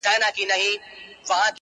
• یو بوډا مي وو لیدلی,